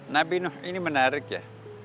nabi nuh ini menarik ya